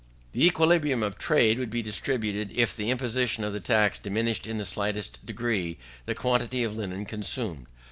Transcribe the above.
The equilibrium of trade would be disturbed if the imposition of the tax diminished in the slightest degree the quantity of linen consumed.